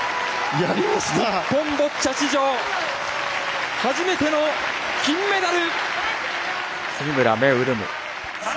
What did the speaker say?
日本ボッチャ史上初めての金メダル！